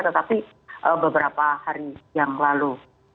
tetapi beberapa hari yang lalu